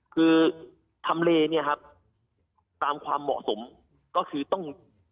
คือทำเลเนี่ยครับตามความเหมาะสมก็คือต้อง